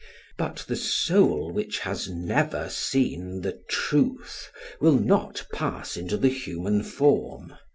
But the soul which has never seen the truth will not pass into the human form.